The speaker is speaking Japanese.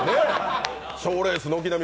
賞レース軒並み